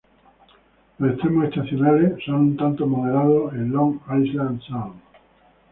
Los extremos estacionales son un tanto moderados en Long Island Sound.